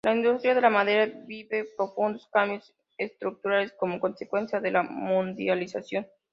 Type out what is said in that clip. La industria de la madera vive profundos cambios estructurales como consecuencia de la mundialización.